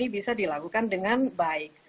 bisa dilakukan dengan baik